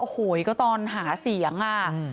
โอ้โหอยู่ก็ตอนหาเสียง